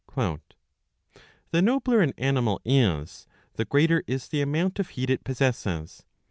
" The nobler an animal is, the greater is the amount of heat it possesses.